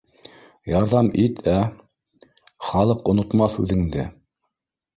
Ярҙам ит, ә? Халыҡ онотмаҫ үҙеңде